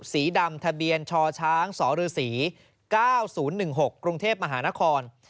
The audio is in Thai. สีดำทะเบียนชชฤษี๙๐๑๖กรุงเทพมหานคร